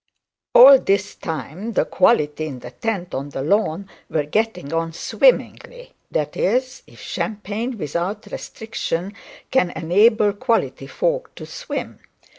All this time the quality in the tent on the lawn were getting on swimmingly; that is, champagne without restrictions can enable quality fold to swim.